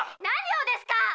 何をですか！